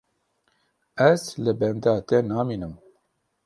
Ez li benda te namînim.